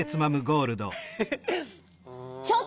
ゴールド！